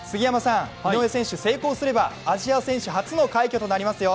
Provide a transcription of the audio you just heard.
井上選手、成功すればアジア選手初の快挙となりますよ。